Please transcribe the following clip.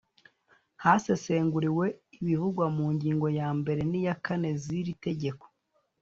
haseguriwe ibivugwa mu ngingo yambere n iya kane z iri tegeko